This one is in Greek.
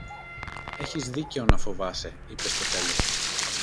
Είχες δίκαιο να φοβάσαι, είπε στο τέλος